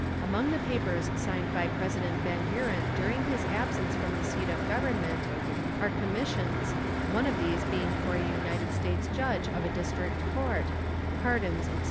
Among the papers signed by President Van Buren during his absence from the seat of Government are commissions (one of these being for a United States judge of a district court), pardons, etc.